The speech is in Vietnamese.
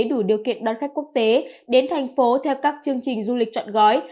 đủ điều kiện đón khách quốc tế đến thành phố theo các chương trình du lịch trọn gói